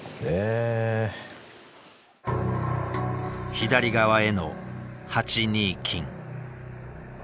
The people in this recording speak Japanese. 左側への８二金。